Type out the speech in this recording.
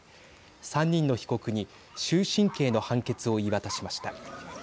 ３人の被告に終身刑の判決を言い渡しました。